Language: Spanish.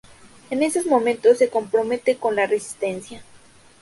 En esos momentos se compromete con la Resistencia.